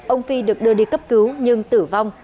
ông phi được đưa đi cấp cứu nhưng tử vong